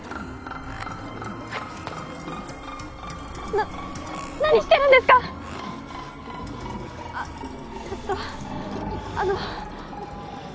な何してるんですか⁉あえっとあの。